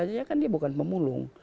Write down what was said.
dia kan bukan pemulung